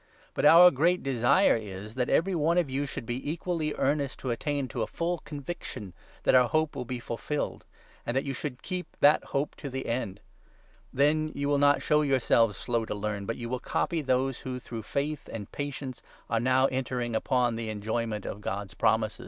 But our great desire is that every one of you should be equally 1 1 earnest to attain to a full conviction that our hope will be fulfilled, and that you should keep that hope to the end. Then 12 you will not show yourselves slow to learn, but you will copy those who, through faith and patience, are now entering upon the enjoyment of God's promises. » Isn. 43. 17. lOPs. SIQ. 4.